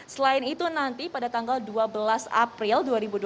selain itu nanti pada tanggal dua belas april dua ribu dua puluh